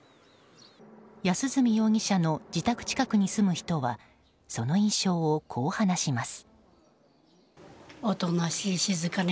安栖容疑者の自宅近くに住む人はその印象を、こう話します。